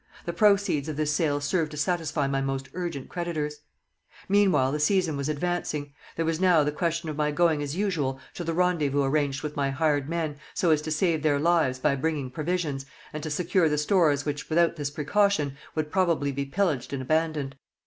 The proceeds of this sale served to satisfy my most urgent creditors. Meanwhile the season was advancing. There was now the question of my going as usual to the rendezvous arranged with my hired men, so as to save their lives [by bringing provisions], and to secure the stores which, without this precaution, would probably be pillaged and abandoned.